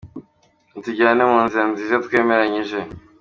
Ni “tujyane” mu nzira nziza twemeranyije.